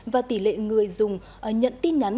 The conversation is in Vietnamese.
và tỷ lệ người dùng nhận tin ngắn